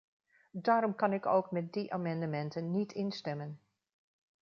Daarom kan ik ook met die amendementen niet instemmen.